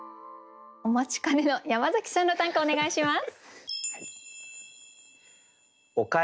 お待ちかねの山崎さんの短歌お願いします。